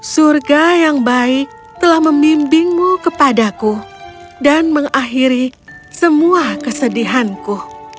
surga yang baik telah membimbingmu kepadaku dan mengakhiri semua kesedihanku